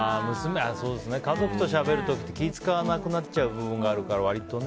家族としゃべる時って気を使わなくなっちゃう部分があるから割とね。